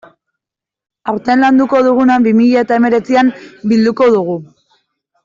Aurten landuko duguna bi mila eta hemeretzian bilduko dugu.